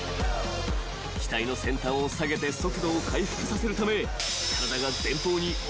［機体の先端を下げて速度を回復させるため］